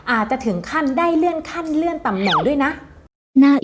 อาจจะถึงขั้นได้เลื่อนขั้นเลื่อนตำแหน่งด้วยนะ